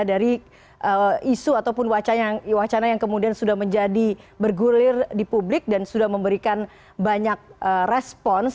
dari isu ataupun wacana yang kemudian sudah menjadi bergulir di publik dan sudah memberikan banyak respons